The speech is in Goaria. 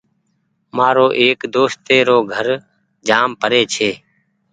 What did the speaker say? مآرو ايڪ دوستي رو گھر جآم پري ڇي ۔